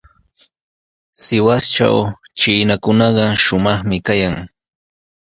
Sihuastraw chiinakunaqa shumaqmi kayan.